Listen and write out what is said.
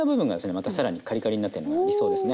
また更にカリカリになってるのが理想ですね。